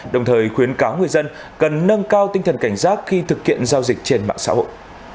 đồng thời khuyến cáo người dân cần nâng cao tinh thần cảnh giác khi thực hiện giao dịch trên mạng xã hội